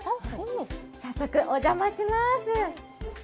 早速、お邪魔します。